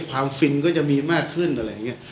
ฟินก็จะมีมากขึ้นอะไรอย่างนี้